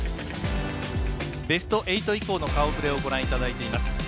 ベスト８以降の顔ぶれをご覧いただいています。